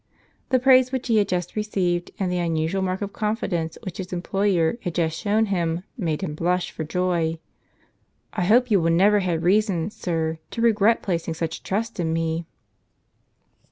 The praise which he had just received and the unusual mark of confidence which his employer had just shown him made him blush for joy. "I hope you will never have reason, sir, to regret placing such trust in me."